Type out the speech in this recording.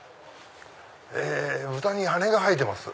豚に羽が生えてます。